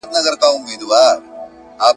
جهاني طبیب مي راکړه د درمل په نامه زهر ..